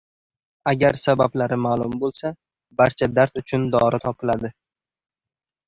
• Agar sabablari ma’lum bo‘lsa, barcha dard uchun dori topiladi.